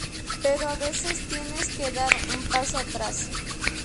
Pero a veces tienes que dar un paso atrás.